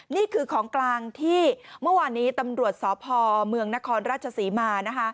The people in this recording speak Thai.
นี่คือของกลางที่เมื่อวานนี้ตำรวจสพเมืองนครราชศรีมานะคะ